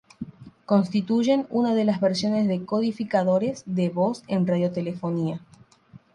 Constituyen una de las versiones de codificadores de voz en radiotelefonía.